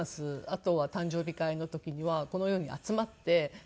あとは誕生日会の時にはこのように集まって。